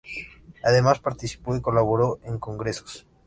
Además participó y colaboró en congresos.